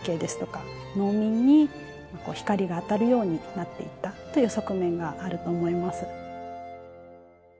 農民に光が当たるようになっていったという側面があると思います。